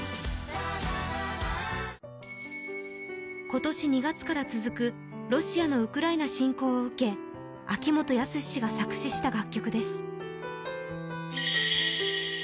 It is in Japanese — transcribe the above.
今年２月から続くロシアのウクライナ侵攻を受け、秋元康氏が作詞した楽曲です。